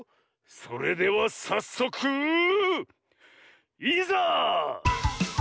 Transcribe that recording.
それではさっそくいざ！